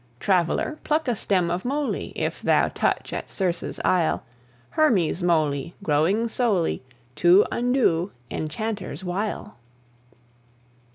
Traveller, pluck a stem of moly, If thou touch at Circe's isle, Hermes' moly, growing solely To undo enchanter's wile!